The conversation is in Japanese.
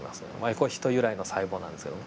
ヒト由来の細胞なんですけども。